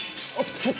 ちょっと！